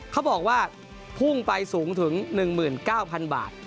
เขาบอกว่าพุ่งไปสูงถึง๑๙๐๐บาท